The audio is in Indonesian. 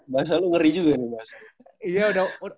bahasa lu ngeri juga nih bahasa